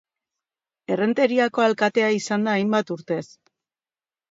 Errenteriako alkatea izan da hainbat urtez.